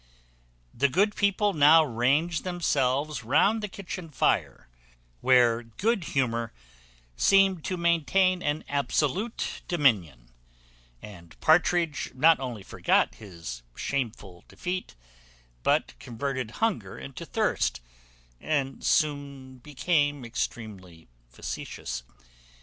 The good people now ranged themselves round the kitchen fire, where good humour seemed to maintain an absolute dominion; and Partridge not only forgot his shameful defeat, but converted hunger into thirst, and soon became extremely facetious.